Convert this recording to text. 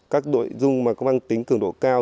các nội dung mà có mang tính cường độ cao